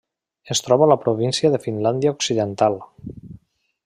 Es troba a la província de Finlàndia Occidental.